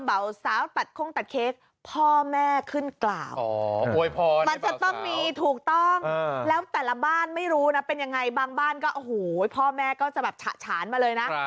บางบ้านก็โอ้โหพ่อแม่ก็จะแบบฉะฉานมาเลยนะ